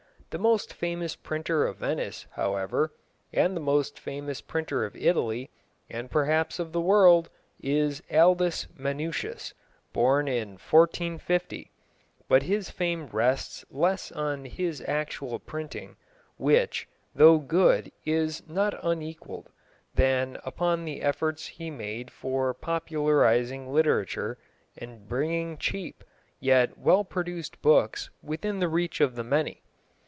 The most famous printer of Venice, however, and the most famous printer of Italy, and perhaps of the world, is Aldus Manutius, born in 1450, but his fame rests less on his actual printing, which, though good, is not unequalled, than upon the efforts he made for popularising literature, and bringing cheap, yet well produced books within the reach of the many.